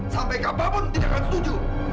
sampai kapanpun tidak akan setuju